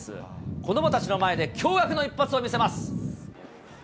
子どもたちの前で、驚がくの一発を見せます。